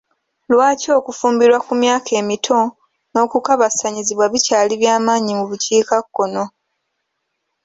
Lwaki okufumbirwa ku myaka emito n'okukabasannyizibwa bikyaali by'amaanyi mu bukiikakkono?